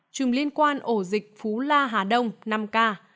chùm liên quan ổ dịch phú la hà đông năm ca